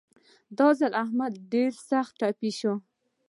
دا ځل احمد ډېر سخت تپ شو.